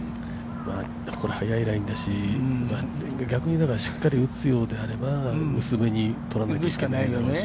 ◆速いラインだし、逆にしっかり打つようであれば、薄めに取らないいけないだろうし。